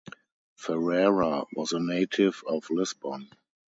Ferreira was a native of Lisbon.